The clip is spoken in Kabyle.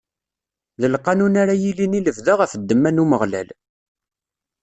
D lqanun ara yilin i lebda ɣef ddemma n Umeɣlal.